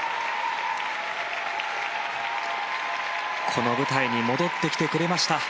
この舞台に戻ってきてくれました。